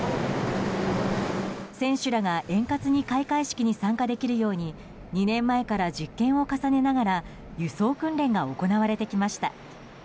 選手らが円滑に開会式に参加できるように２年前から実験を重ねながら輸送訓練が行われてきました。